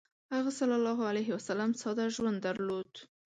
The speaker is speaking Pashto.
هغه ﷺ ساده ژوند درلود.